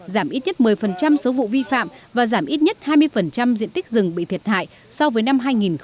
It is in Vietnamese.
giảm ít nhất một mươi số vụ vi phạm và giảm ít nhất hai mươi diện tích rừng bị thiệt hại so với năm hai nghìn một mươi bảy